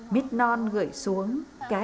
mít non gửi xuống đất này là mít nông dân này